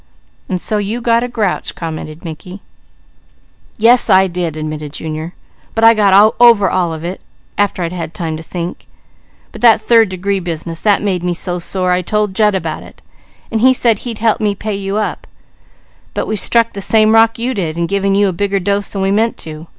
"And so you got a grouch?" commented Mickey. "Yes I did," admitted Junior. "But I got over all of it, after I'd had time to think, but that third degree business; that made me so sore I told Jud about it, and he said he'd help me pay you up; but we struck the same rock you did, in giving you a bigger dose than we meant to.